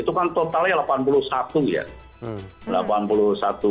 itu kan totalnya delapan puluh satu ya